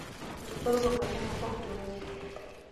په سترګو کتنه پوهه جوړوي